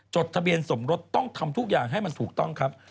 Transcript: จดทะเบียนสมรสต้องทำทุกอย่างให้มันถูกต้องครับ